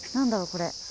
これ。